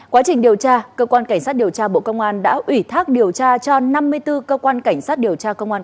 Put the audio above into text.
quá trình điều tra cơ quan cảnh sát điều tra bộ công an đã ủy thác điều tra cho năm mươi bốn cơ quan cảnh sát điều tra công an